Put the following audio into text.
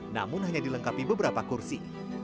namun hanya dilengkapi beberapa kursi